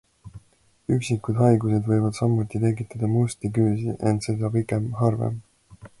Üksikud haigused võivad samuti tekitada musti küüsi, ent seda pigem harvem.